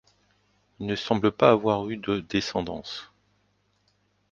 Il ne semble pas avoir eu de descendance.